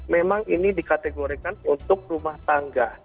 memang ini dikategorikan untuk rumah tangga